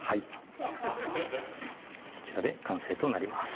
こちらで完成となります